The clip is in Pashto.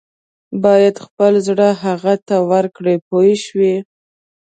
باید خپل زړه هغه ته ورکړې پوه شوې!.